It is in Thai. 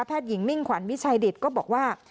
แพทยงมิ่งขวัญมิชัยดิศก็บอกว่า